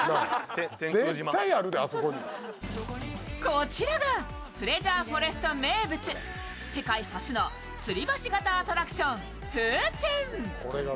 こちらがプレジャーフォレスト名物、世界初のつり橋型アトラクション風天。